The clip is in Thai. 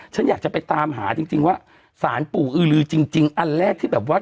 ฉันอยากจะไปตามหาจริงว่าสารปู่อือลือจริงอันแรกที่แบบว่า